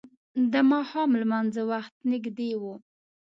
د ماښام لمانځه وخت نږدې و.